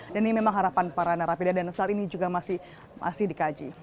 dan ini memang harapan para narapidana saat ini juga masih dikaji